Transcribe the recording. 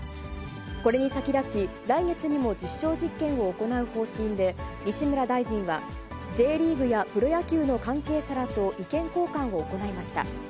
これに先立ち、来月にも実証実験を行う方針で、西村大臣は、Ｊリーグやプロ野球の関係者らと意見交換を行いました。